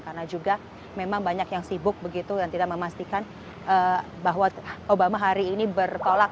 karena juga memang banyak yang sibuk begitu dan tidak memastikan bahwa obama hari ini bertolak